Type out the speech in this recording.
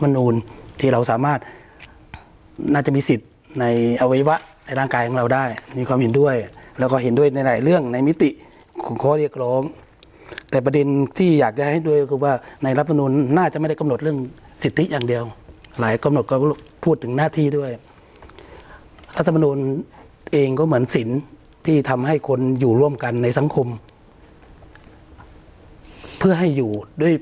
ที่เราสามารถน่าจะมีสิทธิ์ในอวัยวะในร่างกายของเราได้มีความเห็นด้วยแล้วก็เห็นด้วยในหลายเรื่องในมิติของข้อเรียกร้องแต่ประเด็นที่อยากจะให้ด้วยก็คือว่าในรัฐมนุนน่าจะไม่ได้กำหนดเรื่องสิทธิอย่างเดียวหลายกำหนดก็พูดถึงหน้าที่ด้วยรัฐมนุนเองก็เหมือนสินที่ทำให้คนอยู่ร่วมกันในสังคมเพื่อให้อยู่ด้วย